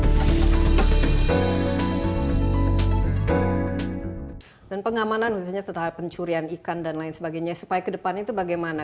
hai dan pengamanan usia tetap pencurian ikan dan lain sebagainya supaya kedepannya itu bagaimana